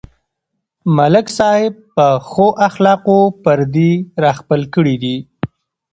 ملک صاحب په ښو اخلاقو پردي راخپل کړي دي.